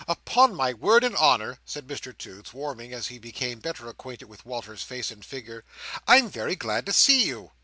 Upon my word and honour," said Mr Toots, warming as he became better acquainted with Walter's face and figure, "I'm very glad to see you!"